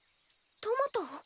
トマトを？